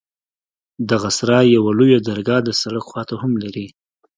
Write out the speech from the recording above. دغه سراى يوه لويه درګاه د سړک خوا ته هم لري.